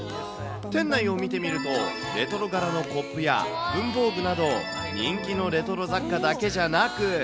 店内を見てみると、レトロ柄のコップや文房具など、人気のレトロ雑貨だけじゃなく。